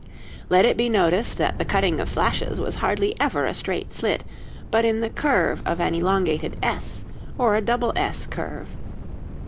Let it be noticed that the cutting of slashes was hardly ever a straight slit, but in the curve of an elongated S or a double S curve.